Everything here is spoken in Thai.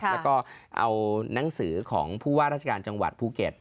แล้วก็เอานังสือของผู้ว่าราชการจังหวัดภูเก็ต